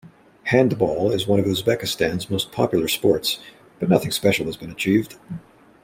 Handball is one of Uzbekistan's most popular sports, but nothing special has been achieved.